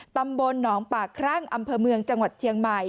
ตำบลหนองปากครั่งอำเภอเมืองจังหวัดเชียงใหม่